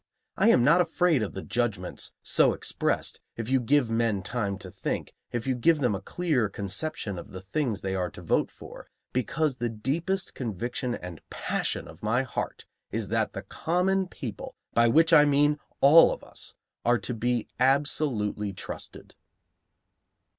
I am not afraid of the judgments so expressed, if you give men time to think, if you give them a clear conception of the things they are to vote for; because the deepest conviction and passion of my heart is that the common people, by which I mean all of us, are to be absolutely trusted.